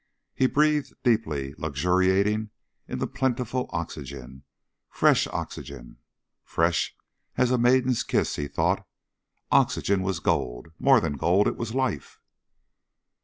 He breathed deeply, luxuriating in the plentiful oxygen. Fresh oxygen. Fresh as a maiden's kiss, he thought Oxygen was gold. More than gold. It was life.